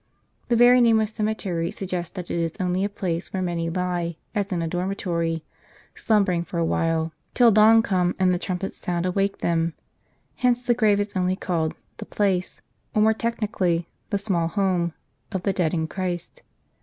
The very name of cemetery sug gests that it is only a place where many lie, as in a dor mitory, slumbering for a while ; till dawn come, and the trumpet's sound awake them. Hence the grave is only called "the place," or more technically, "the small home," * of the dead in Christ.